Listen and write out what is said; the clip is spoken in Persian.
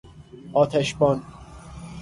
آتش بان